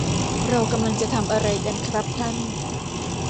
เรากำลังจะทำอะไรกันครับท่าน